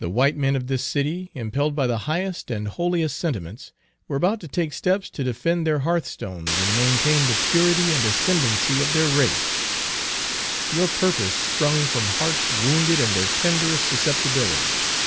The white men of this city, impelled by the highest and holiest sentiments, were about to take steps to defend their hearthstones and maintain the purity and ascendency of their race. Your purpose sprung from hearts wounded in their tenderest susceptibilities."